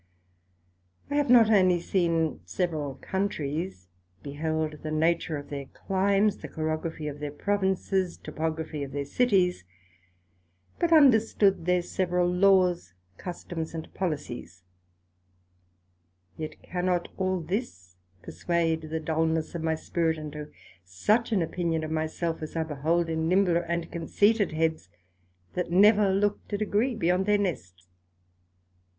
I have not onely seen several Countries, beheld the nature of their Climes, the Chorography of their Provinces, Topography of their Cities, but understood their several Laws, Customs, and Policies; yet cannot all this perswade the dulness of my spirit unto such an opinion of my self, as I behold in nimbler and conceited heads, that never looked a degree beyond their Nests.